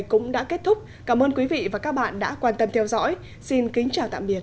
cảm ơn quý vị và các bạn đã quan tâm theo dõi xin kính chào tạm biệt